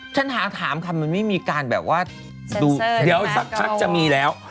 ซักครั้งดูแข็งมันแบบดูเดียวสักครั้งจะมีแล้ว